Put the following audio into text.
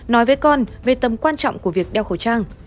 nói với con về tầm quan trọng của việc đeo khẩu trang